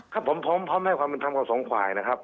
ครับผมพร้อมให้ความเป็นธรรมกับสองฝ่ายนะครับ